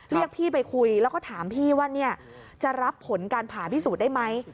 เรียกพี่ไปคุยแล้วก็ถามพี่ว่าจะรับผลการผ่าพิสูจน์ได้ไหม